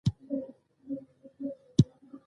دا ښيي، چې د یوځایوالي نظریه تر یوې کچې سمه ده.